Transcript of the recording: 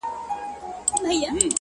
هم داسي ستا دا گل ورين مخ،